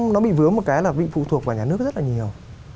nó bị vướng một cái là bị phụ thuộc vào nhà nước rất là nhiều